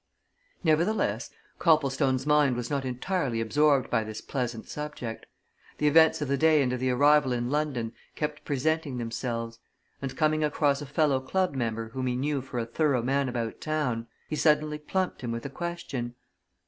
Nevertheless, Copplestone's mind was not entirely absorbed by this pleasant subject; the events of the day and of the arrival in London kept presenting themselves. And coming across a fellow club member whom he knew for a thorough man about town, he suddenly plumped him with a question.